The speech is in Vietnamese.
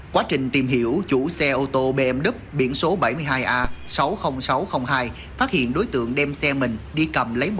quá trình tìm hiểu chủ xe ô tô bmw biển số bảy mươi hai a sáu mươi nghìn sáu trăm linh hai phát hiện đối tượng đem xe mình đi cầm lấy